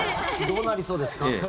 どうなりそうですか？